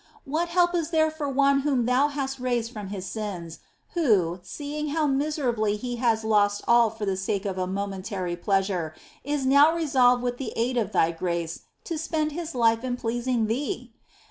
What help is there for one whom Thou hast raised from his sins, who, seeing how miserably he had lost all for the sake of a momentary pleasure, is now resolved with the aid of Thy grace to spend his life in pleasing Thee